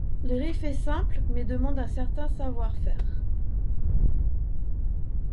Le riff est simple mais demande un certain savoir-faire.